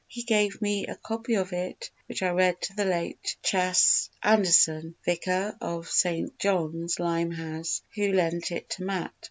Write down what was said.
He gave me a copy of it which I read to the late Chas. Anderson, Vicar of S. John's, Limehouse, _who lent it to Matt.